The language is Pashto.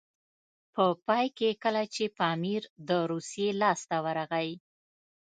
په پای کې کله چې پامیر د روسیې لاسته ورغی.